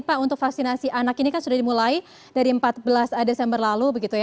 pak untuk vaksinasi anak ini sudah dimulai dari empat belas desember lalu